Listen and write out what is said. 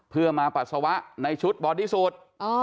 เพื่อมาปัสสาวะในชุดบอดี้สูตร